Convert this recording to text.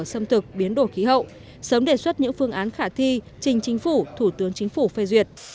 xâm thực biến đổi khí hậu sớm đề xuất những phương án khả thi trình chính phủ thủ tướng chính phủ phê duyệt